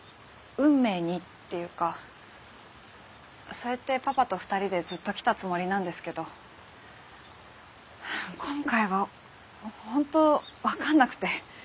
そうやってパパと２人でずっときたつもりなんですけど今回は本当分かんなくて。